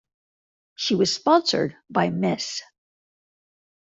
She was sponsored by Miss.